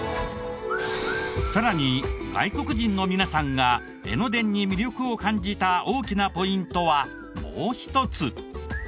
さらに外国人の皆さんが江ノ電に魅力を感じた大きなポイントはもう一つ。